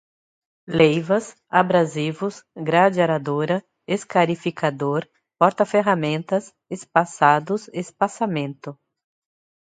leivas, abrasivos, grade aradora, escarificador, porta-ferramentas, espaçados, espaçamento